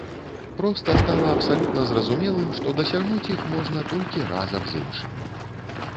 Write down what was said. Проста стала абсалютна зразумелым, што дасягнуць іх можна толькі разам з іншымі.